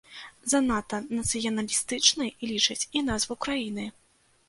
Занадта нацыяналістычнай лічаць і назву краіны.